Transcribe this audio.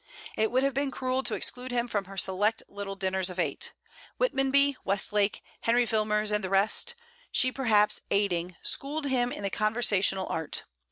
It would have been cruel to exclude him from her select little dinners of eight. Whitmonby, Westlake, Henry Wilmers and the rest, she perhaps aiding, schooled him in the conversational art.